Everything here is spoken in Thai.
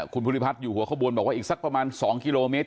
คุณภูริพัฒน์อยู่หัวขบวนบอกว่าอีกสักประมาณ๒กิโลเมตร